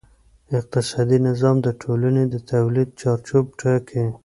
اقتصادي نظام د ټولنې د تولید چارچوب ټاکي.